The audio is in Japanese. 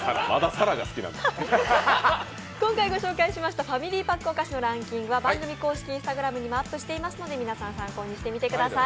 今回ご紹介しましたファミリーパックお菓子のランキングは番組公式Ｉｎｓｔａｇｒａｍにもアップしていますので皆さん参考にしてみてください。